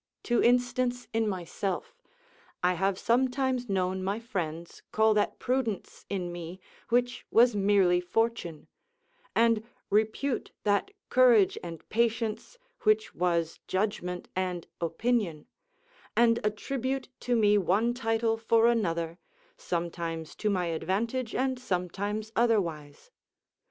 To instance in myself: I have sometimes known my friends call that prudence in me, which was merely fortune; and repute that courage and patience, which was judgment and opinion; and attribute to me one title for another, sometimes to my advantage and sometimes otherwise.